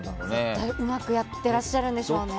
絶対うまくやっていらっしゃるんでしょうね。